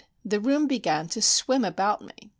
The room began to swim about me.